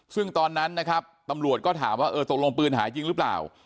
ซึ่งตอนนั้นนะครับตำรวจก็ถามว่าเออตกลงปืนหายจริงหรือเปล่า